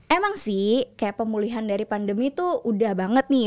emang sih kayak pemulihan dari pandemi tuh udah banget nih